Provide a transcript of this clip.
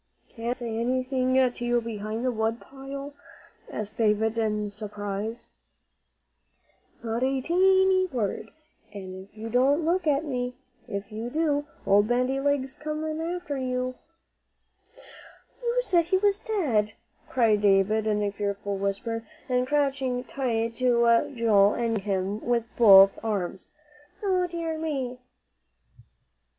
"Can't I say anything to you behind the wood pile?" asked David, in surprise. "No, not a teenty word. An' don't you look at me. If you do, Old Bandy Legs'll come after you." "You said he was dead," cried David in a fearful whisper, and crouching tight to Joel and gripping him with both arms. "O dear me!"